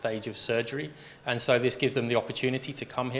dan jadi ini memberikan mereka kesempatan untuk datang ke sini